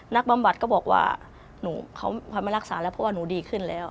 บำบัดก็บอกว่าเขาไม่รักษาแล้วเพราะว่าหนูดีขึ้นแล้ว